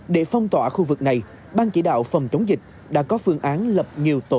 để phong tỏa khu vực này ban chỉ đạo phòng chống dịch đã có phương án lập nhiều tổ